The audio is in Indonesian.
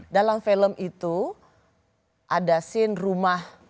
dalam film itu ada scene rumah